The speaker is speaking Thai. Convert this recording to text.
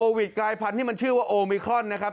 วิทย์กลายพันธุ์มันชื่อว่าโอมิครอนนะครับ